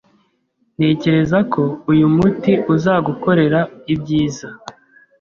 Ntekereza ko uyu muti uzagukorera ibyiza.